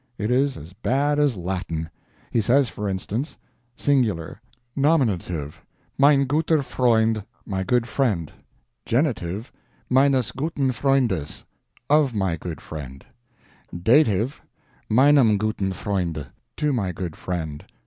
It is as bad as Latin. He says, for instance: SINGULAR Nominative Mein gutER Freund, my good friend. Genitives MeinES GutEN FreundES, of my good friend. Dative MeinEM gutEN Freund, to my good friend.